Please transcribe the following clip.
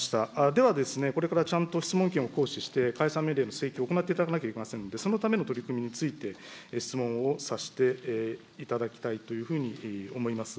では、これからちゃんと質問権を行使して、解散命令の請求を行っていただかなければいけませんので、そのための取り組みについて、質問をさせていただきたいというふうに思います。